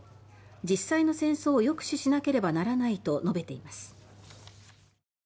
実際の戦争を抑止しなければならないと述べています。